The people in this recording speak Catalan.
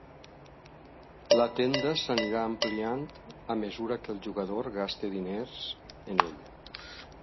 La tenda s’anirà ampliant a mesura que el jugador gasti diners en ella.